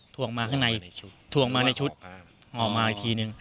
ถ่วงมาข้างในถ่วงมาในชุดหอมมาอีกทีหนึ่ง